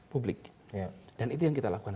publik dan itu yang kita lakukan